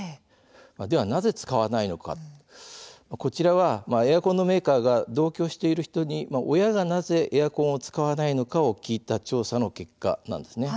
では、なぜ使わないのかこちらはエアコンのメーカーが同居している人に親がなぜエアコンを使わないのかを聞いた調査の結果なんです。